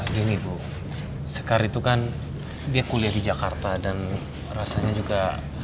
gini bu sekar itu kan dia kuliah di jakarta dan rasanya juga